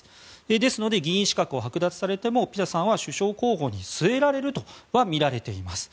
ですので議員資格を剥奪されてもピタさんは首相候補に据えられるとはみられています。